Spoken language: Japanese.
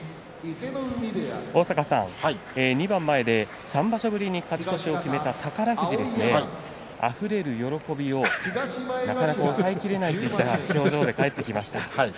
２番前で３場所ぶりに勝ち越しを決めた宝富士ですがあふれる喜びをなかなか抑えきれないといった表情で帰ってきました。